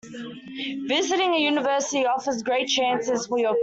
Visiting a university offers great chances for your career.